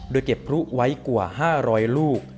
โดยเก็บพลุไว้กว่า๕๐๐ลูก